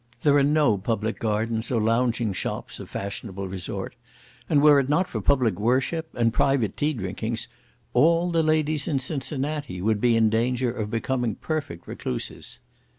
There are no public gardens or lounging shops of fashionable resort, and were it not for public worship, and private tea drinkings, all the ladies in Cincinnati would be in danger of becoming perfect recluses.